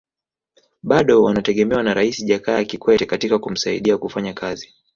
Bado wanategemewa na Rais Jakaya Kikwete katika kumsaidia kufanya kazi